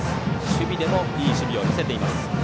守備でもいい守備を見せています。